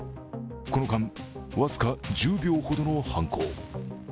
この間、僅か１０秒ほどの犯行。